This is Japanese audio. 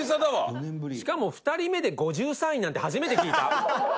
トシ：しかも、２人目で５３位なんて初めて聞いた。